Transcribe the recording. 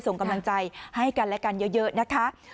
ส่งกำลังใจให้กันและกันเยอะนะคะ